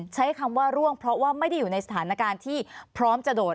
ใช้คำว่าร่วงเพราะว่าไม่ได้อยู่ในสถานการณ์ที่พร้อมจะโดด